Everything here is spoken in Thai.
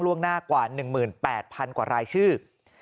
ล่วงหน้ากว่า๑๘๐๐๐กว่ารายชื่อ